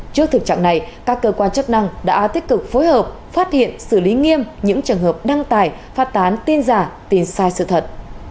trước thực trạng này các cơ quan chức năng đã tích cực phối hợp phát hiện xử lý nghiêm những trường hợp đăng tải phát tán tin giả tin sai sự thật